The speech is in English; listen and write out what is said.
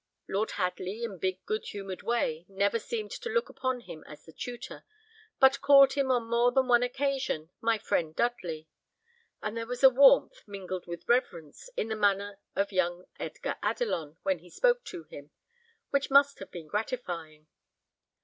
Lord Hadley, in big good humoured way, never seemed to look upon him as the tutor, but called him on more than one occasion, 'My friend Dudley;' and there was a warmth, mingled with reverence, in the manner of young Edgar Adelon, when he spoke to him, which must have been gratifying.